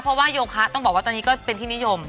เพราะว่าโยคะต้องบอกว่าตอนนี้ก็เป็นที่นิยม